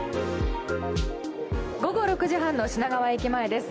午後６時半の品川駅前です。